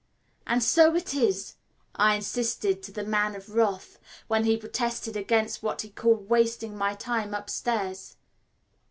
"And so it is," I insisted to the Man of Wrath, when he protested against what he called wasting my time upstairs.